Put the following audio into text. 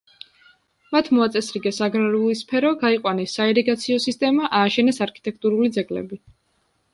მათ მოაწესრიგეს აგრარული სფერო, გაიყვანეს საირიგაციო სისტემა, ააშენეს არქიტექტურული ძეგლები.